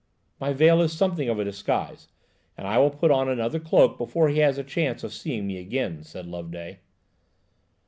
"My veil is something of a disguise, and I will put on another cloak before he has a chance of seeing me again," said Loveday.